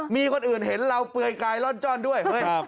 มีคนอื่นเห็นเราเปลือยกายร่อนจ้อนด้วย